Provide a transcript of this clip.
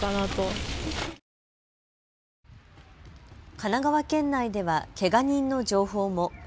神奈川県内では、けが人の情報も。